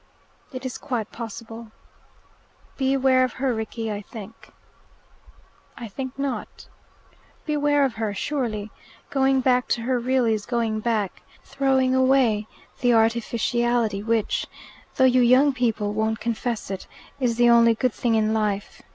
"It is quite possible." "Beware of her, Rickie, I think." "I think not." "Beware of her, surely. Going back to her really is going back throwing away the artificiality which (though you young people won't confess it) is the only good thing in life.